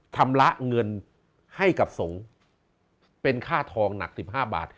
ชำระเงินให้กับสงฆ์เป็นค่าทองหนัก๑๕บาท